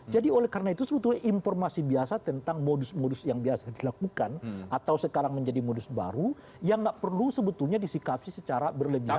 jadi karena itu sebetulnya informasi biasa tentang modus modus yang biasa dilakukan atau sekarang menjadi modus baru yang tidak perlu sebetulnya disikapi secara berlebihan